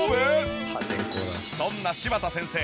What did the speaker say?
そんな柴田先生